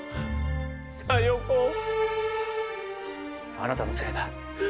あなたのせいだ。